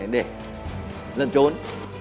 để lần trốn